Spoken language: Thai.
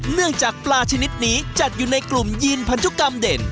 เนื่องจากปลาชนิดนี้จัดอยู่ในกลุ่มยีนพันธุกรรมเด่น